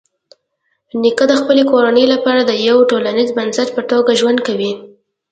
نیکه د خپلې کورنۍ لپاره د یوه ټولنیز بنسټ په توګه ژوند کوي.